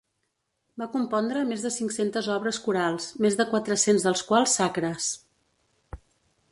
Va compondre més de cinc-centes obres corals, més de quatre-cents dels quals sacres.